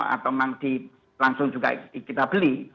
atau memang langsung juga kita beli